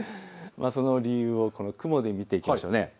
その理由を雲で見ていきましょう。